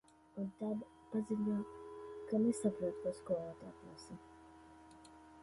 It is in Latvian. Tad atnāk un paziņo, ka nesaprot, ko skolotāja prasa.